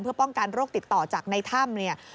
เพื่อป้องกันโรคติดต่อจากในถ้ำเนี่ย